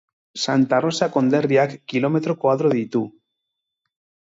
Santa Rosa konderriak kilometro koadro ditu.